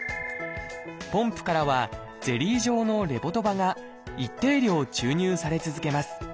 ポンプからはゼリー状のレボドパが一定量注入され続けます。